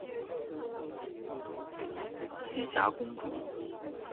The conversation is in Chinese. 栖霞公主。